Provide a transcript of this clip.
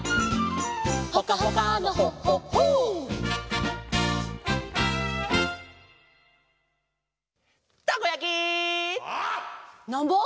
「ほっかほかのほっほっほっ」「たこやき」「なんぼ？」